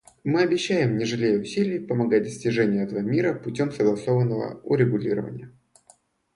Мы обещаем, не жалея усилий, помогать достижению этого мира путем согласованного урегулирования.